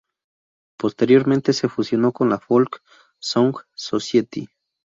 Posteriormente se fusionó con la "Folk Song Society".